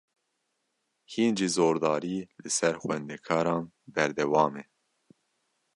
Hîn jî zordarî, li ser xwendekaran berdewame